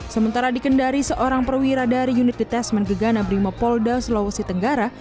sementara dikendari seorang perwira dari unit detesmen gegana brimo polda sulawesi tenggara